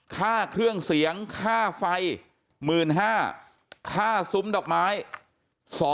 ค่าเครื่องเสียงค่าไฟ๑๕๐๐๐บาทค่าซุ้มดอกไม้๒๙๒๐๐บาท